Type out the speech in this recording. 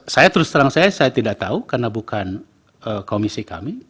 saya terus terang saya saya tidak tahu karena bukan komisi kami